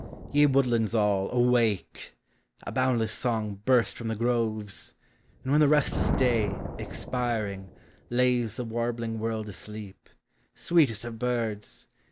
Ye woodlands all, awake: a boundless song Burst from {he groves ! and when the restless day, Expiring, lays the warbling world asleep, Sweetest of birds!